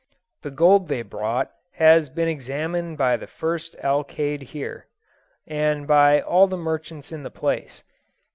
The gold they brought has been examined by the first Alcalde here, and by all the merchants in the place.